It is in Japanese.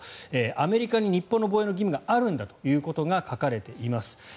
アメリカに、日本の防衛の義務があるんだということが書かれています。